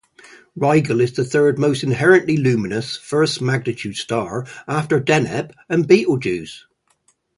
Rigel is the third most inherently luminous first magnitude star after Deneb and Betelgeuse.